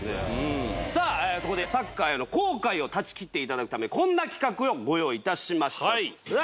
ここでサッカーへの後悔を断ち切っていただくためこんな企画をご用意いたしました。